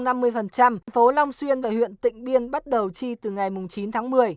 thành phố long xuyên và huyện tịnh biên bắt đầu tri từ ngày chín tháng một mươi